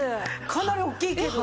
かなり大きいけど。